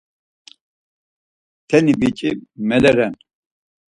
Teni biç̌i mele ren.